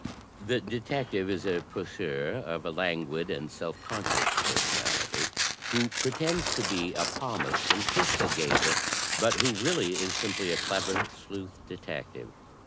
The detective is a poseur, of a languid and self conscious personality, who pretends to be a palmist and crystal gazer, but who really is simply a clever sleuth detective.